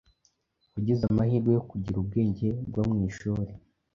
wagize amahirwe yo kugira ubwenge bwo mu ishuri,